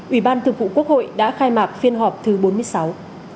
ủy ban thường vụ quốc hội đã khai mạc phiên họp thứ bốn mươi sáu